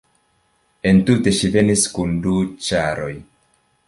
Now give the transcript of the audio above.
Entute ŝi venis kun du ĉaroj.